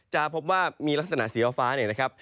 จะพบว่ามีลักษณะสีฟ้าเนี่ยนะครับ